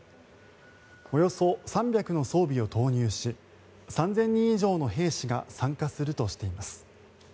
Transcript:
およそ３００の装備を投入し３０００人以上の兵士が参加するとしています。